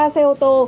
một mươi ba xe ô tô